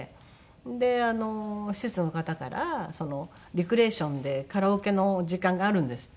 で施設の方からレクリエーションでカラオケの時間があるんですって。